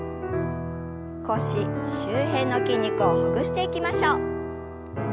腰周辺の筋肉をほぐしていきましょう。